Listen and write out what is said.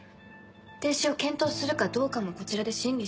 停止を検討するかどうかもこちらで審議して。